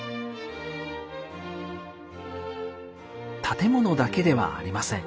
建物だけではありません。